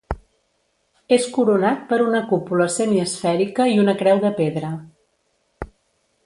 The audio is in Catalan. És coronat per una cúpula semiesfèrica i una creu de pedra.